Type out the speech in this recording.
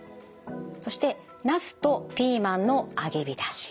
そしてナスとピーマンの揚げびたし。